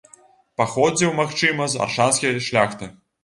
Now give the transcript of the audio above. Паходзіў, магчыма, з аршанскай шляхты.